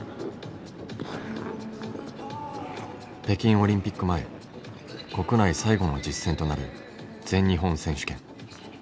北京オリンピック前国内最後の実戦となる全日本選手権。